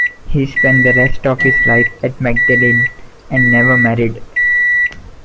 He spent the rest of his life at Magdalene, and never married.